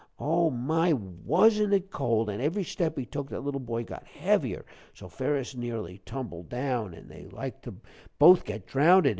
Oh, my wasn't it cold? An' every step he took that little boy got heavier, so Ferus nearly tumbled down an' they liked to both got drownded.